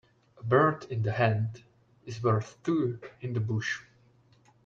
A bird in the hand is worth two in the bush.